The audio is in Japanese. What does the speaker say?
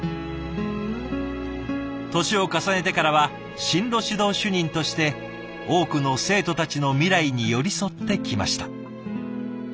年を重ねてからは進路指導主任として多くの生徒たちの未来に寄り添ってきました。